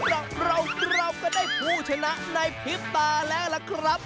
เพราะเราก็ได้ผู้ชนะในพริบตาแล้วล่ะครับ